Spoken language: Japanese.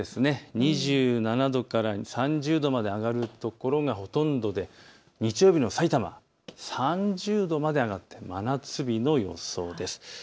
２７度から３０度まで上がる所がほとんどで日曜日のさいたま、３０度まで上がって真夏日の予想です。